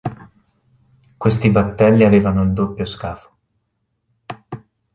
Questi battelli avevano il doppio scafo.